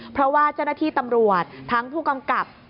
เพราะว่าเจ้าหน้าที่ตำรวจทั้งผู้กำกับ